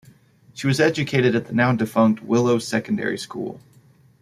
She was educated at the now defunct Willow Secondary School.